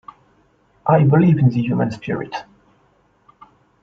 I believe in the human spirit.